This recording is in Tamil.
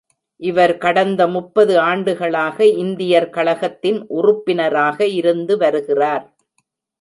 இவர் கடந்த முப்பது ஆண்டுகளாக இந்தியர் கழகத்தின் உறுப்பினராக இருந்துவருகிறார்.